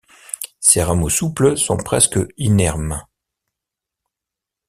Ses rameaux souples sont presque inermes.